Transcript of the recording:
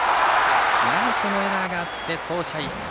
ライトのエラーがあって走者一掃。